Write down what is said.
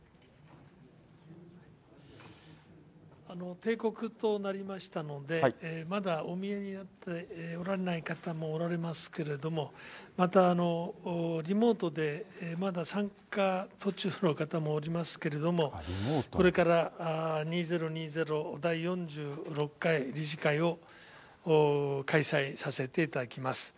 定刻となりましたので、まだお見えになっておられない方もおられますけれども、またリモートでまだ参加途中の方もおりますけれども、これから２０２０第４６回理事会を開催させていただきます。